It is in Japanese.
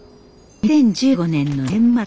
２０１５年の年末。